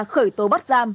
khởi tố bắt giam